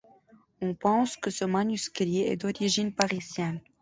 On pense que ce manuscrit est d'origine parisienne.